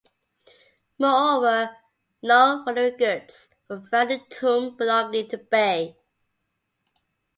Moreover, no funerary goods were found in the tomb belonging to Bay.